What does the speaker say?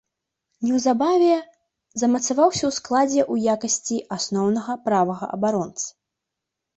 Неўзабаве замацаваўся ў складзе ў якасці асноўнага правага абаронцы.